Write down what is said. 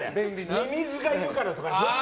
ミミズがいるからとか。